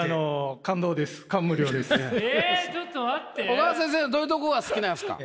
小川先生のどういうとこが好きなんですか？